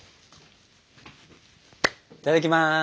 いただきます！